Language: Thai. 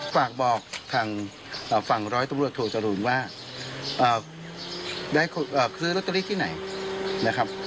ฝากบอกทางฝั่งร้อยตำรวจโทจรูนว่าได้ซื้อลอตเตอรี่ที่ไหนนะครับ